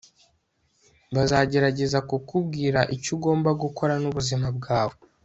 bazagerageza kukubwira icyo 'ugomba' gukora n'ubuzima bwawe